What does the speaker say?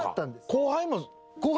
後輩もか。